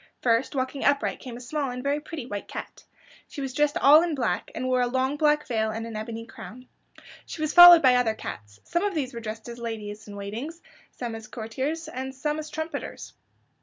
First, walking upright came a small and very pretty white cat. She was dressed all in black, and wore a long black veil, and an ebony crown. She was followed by other cats. Some of these were dressed as ladies in waiting, some as courtiers, and some as trumpeters.